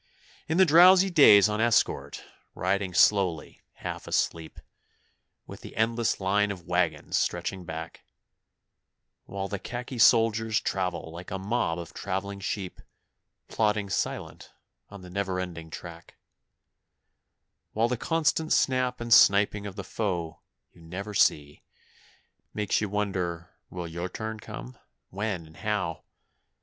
In the drowsy days on escort, riding slowly half asleep, With the endless line of waggons stretching back, While the khaki soldiers travel like a mob of travelling sheep, Plodding silent on the never ending track, While the constant snap and sniping of the foe you never see Makes you wonder will your turn come when and how?